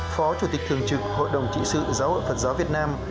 phó chủ tịch thường trực hội đồng trị sự giáo hội phật giáo việt nam